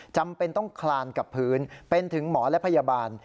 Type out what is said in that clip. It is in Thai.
จำเป็นต้องคลานกับพื้นเป็นถึงหมอและพยาบาล